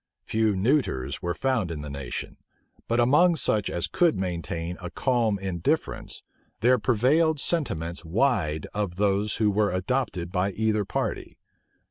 Few neuters were found in the nation: but among such as could maintain a calm indifference, there prevailed sentiments wide of those which were adopted by either party.